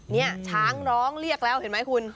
นี่ช้างร้องเรียกแล้วเห็นไหมคุณ